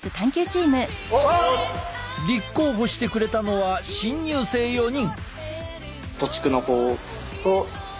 立候補してくれたのは新入生４人。